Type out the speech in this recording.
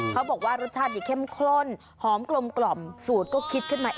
เขาบอกว่ารสชาตินี่เข้มข้นหอมกลมสูตรก็คิดขึ้นมา